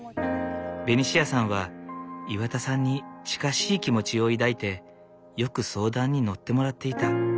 ベニシアさんは岩田さんに近しい気持ちを抱いてよく相談に乗ってもらっていた。